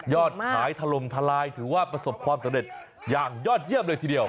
อดขายถล่มทลายถือว่าประสบความสำเร็จอย่างยอดเยี่ยมเลยทีเดียว